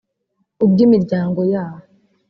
ubw’imiryango yabo